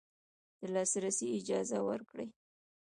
د لاسرسي اجازه ورکړي